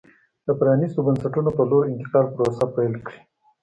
د پرانېستو بنسټونو په لور انتقال پروسه پیل کړي.